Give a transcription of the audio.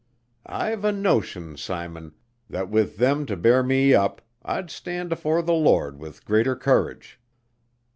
I've a notion, Simon, that with them to bear me up I'd stand afore the Lord with greater courage.